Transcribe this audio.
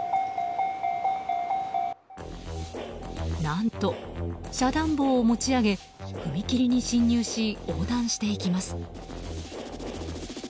何と遮断棒を持ち上げ踏切に進入し、横断していきます。